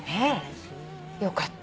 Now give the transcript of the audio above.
よかった。